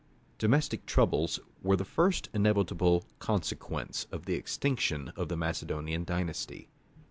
Domestic troubles were the first inevitable consequence of the extinction of the Macedonian dynasty.